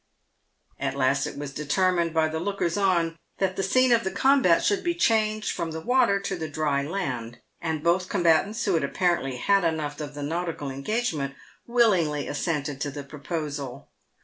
At last it was determined by the lookers on that the scene of the combat should be changed from the water to the dry land, and both combatants, who had apparently had enough of the nautical engage ment, willingly assented to the proposal.